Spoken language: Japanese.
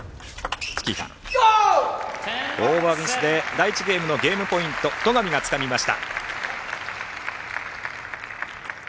オーバーミスで第１ゲームのゲームポイント戸上がつかみました。